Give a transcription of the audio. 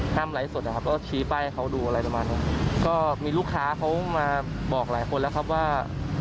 ไลฟ์สดนะครับก็ชี้ป้ายให้เขาดูอะไรประมาณนี้ก็มีลูกค้าเขามาบอกหลายคนแล้วครับว่า